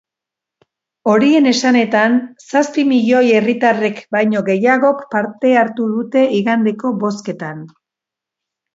Horien esanetan, zazpi milioi herritarrek baino gehiagok parte hartu dute igandeko bozketan.